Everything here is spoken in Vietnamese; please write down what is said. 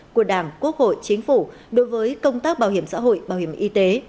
của đảng quốc hội chính phủ đối với công tác bảo hiểm xã hội bảo hiểm y tế